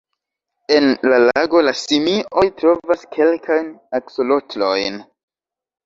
En la lago, la simioj trovas kelkajn aksolotlojn.